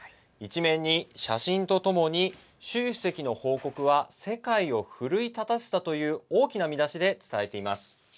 １面に写真とともに習主席の報告は世界を奮い立たせたという大きな見出しで伝えています。